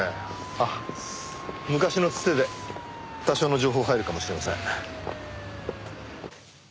あっ昔のツテで多少の情報入るかもしれません。